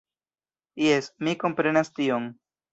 Jes, mi komprenas tion.